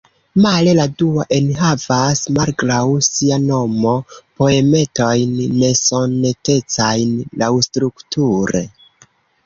Male, la dua enhavas, malgraŭ sia nomo, poemetojn nesonetecajn laŭstrukture.